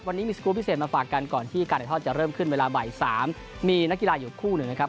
วันนี้มีสกรูปพิเศษมาฝากกันก่อนที่การถ่ายทอดจะเริ่มขึ้นเวลาบ่าย๓มีนักกีฬาอยู่คู่หนึ่งนะครับ